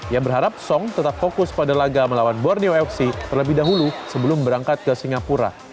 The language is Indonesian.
ia berharap song tetap fokus pada laga melawan borneo fc terlebih dahulu sebelum berangkat ke singapura